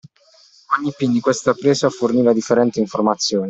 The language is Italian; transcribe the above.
Ogni pin di questa presa forniva differenti informazioni.